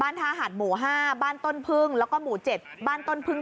น้ำทรงพัดถาลเลย